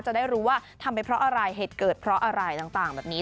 จะได้รู้ว่าทำไปเพราะอะไรเหตุเกิดเพราะอะไรต่างแบบนี้